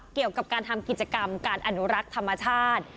เกี่ยวกับการทำกิจกรรมการอนุรักษ์ธรรมชาติ